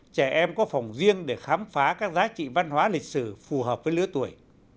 trẻ em có phòng riêng để khám phá các giá trị văn hóa lịch sử phù hợp với lứa tuổi